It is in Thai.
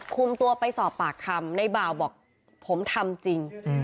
คุมตัวไปสอบปากคำในบ่าวบอกผมทำจริง